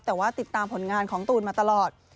แต่ว่าติดตามผลงานของตูนมาตลอด